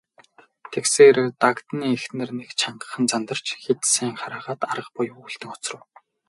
Тэгсээр, Дагданы эхнэр нэг чангахан зандарч хэд сайн хараагаад арга буюу үлдэн хоцров.